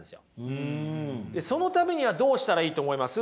そのためにはどうしたらいいと思います？